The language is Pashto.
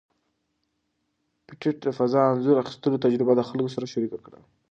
پېټټ د فضا انځور اخیستلو تجربه د خلکو سره شریکه کړه.